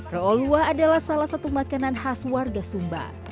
roolua adalah salah satu makanan khas warga sumba